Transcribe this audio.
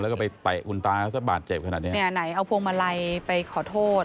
แล้วก็ไปเตะคุณตาเขาสักบาดเจ็บขนาดเนี้ยเนี่ยไหนเอาพวงมาลัยไปขอโทษ